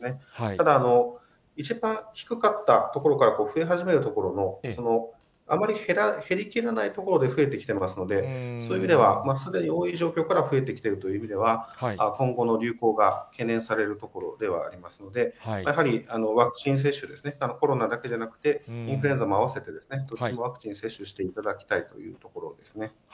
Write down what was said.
ただ、一番低かったところから増え始めるところの、あまり減りきらないところで増えてきていますので、そういう意味では、すでに多い状況から増えてきているという意味では、今後の流行が懸念されるところではありますので、やはりワクチン接種ですね、コロナだけじゃなくて、インフルエンザも併せて、どちらもワクチン接種していただきたいというところですね。